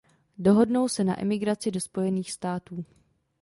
Dohodnou se na emigraci do Spojených států.